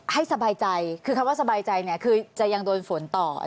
ให้สบายใจคือคำว่าสบายใจจะยังโดนฝนต่อ